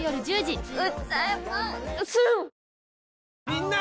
みんな！